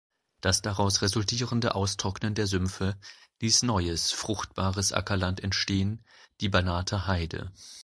Das daraus resultierende Austrocknen der Sümpfe ließ neues, fruchtbares Ackerland entstehen, die Banater Heide.